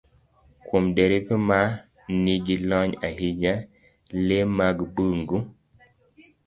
Kuom derepe ma nigi lony ahinya, le mag bungu